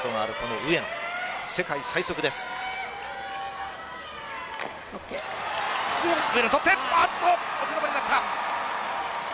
上野、とってお手玉になった。